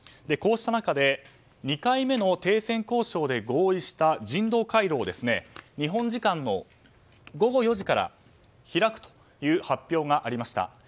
こうした中で２回目の停戦交渉で合意した人道回廊を日本時間の午後４時から開くという発表がありました。